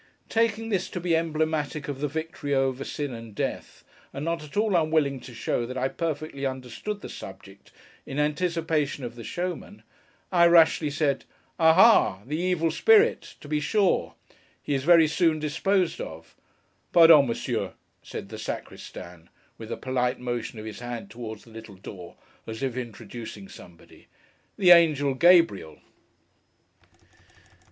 Taking this to be emblematic of the victory over Sin and Death, and not at all unwilling to show that I perfectly understood the subject, in anticipation of the showman, I rashly said, 'Aha! The Evil Spirit. To be sure. He is very soon disposed of.' 'Pardon, Monsieur,' said the Sacristan, with a polite motion of his hand towards the little door, as if introducing somebody—'The Angel Gabriel!